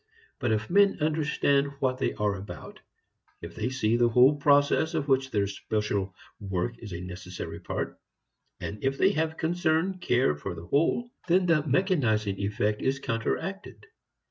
But if men understand what they are about, if they see the whole process of which their special work is a necessary part, and if they have concern, care, for the whole, then the mechanizing effect is counteracted.